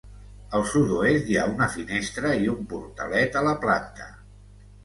Al sud-oest hi ha una finestra i un portalet a la planta.